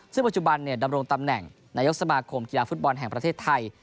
ซึ่งปัจจุบันดำรงตำแหน่งนายกสมาคมกีฬาฟุตบอลแห่งประเทศไทย